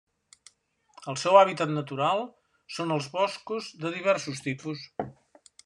El seu hàbitat natural són els boscos de diversos tipus.